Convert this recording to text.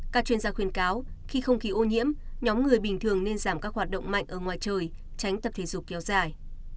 các chuyên gia khuyên cáo khi không khí ô nhiễm nhóm người bình thường nên giảm các hoạt động mạnh ở ngoài trời tránh tập thể dục kéo dài